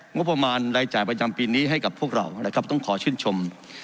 งบประมาณรายจ่ายประจำปีนี้ให้กับพวกเรานะครับต้องขอชื่นชม